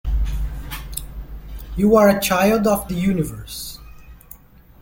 You are a child of the universe